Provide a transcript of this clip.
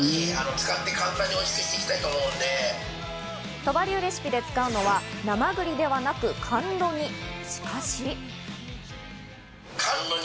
鳥羽流レシピで使うのは生栗ではなく甘露煮。